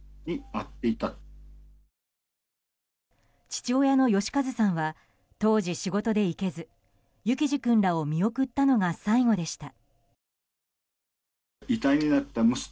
父親の義一さんは当時、仕事で行けず幸士君らを見送ったのが最後でした。